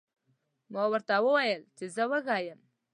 ما ورته وویل چې زه وږی یم.